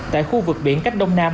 tại khu vực biển cách đông nam